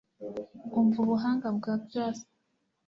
Umva Ubuhanga bwa grace